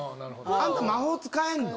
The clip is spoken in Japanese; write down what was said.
あんた魔法使えるの？